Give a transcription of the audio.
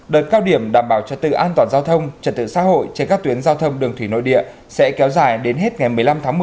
đợt cao điểm đảm bảo trật tự an toàn giao thông trật tự xã hội trên các tuyến giao thông đường thủy nội địa sẽ kéo dài đến hết ngày một mươi năm tháng một mươi năm hai nghìn một mươi sáu